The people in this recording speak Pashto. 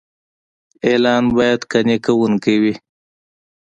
اعلان باید قانع کوونکی وي.